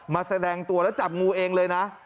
แสดงตัวแล้วจับงูเองเลยนะ